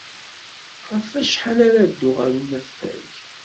Ɣef wacḥal ara dduɣ ɣer unafag?